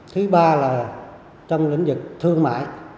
thứ ba là trong lĩnh vực thương mại